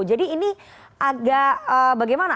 jadi ini agak bagaimana